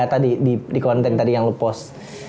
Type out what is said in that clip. eh tadi di konten tadi yang lo post